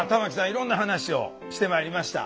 いろんな話をしてまいりました。